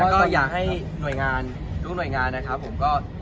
ก็อยากให้หน่วยงานทุกหน่วยงานนะครับผมก็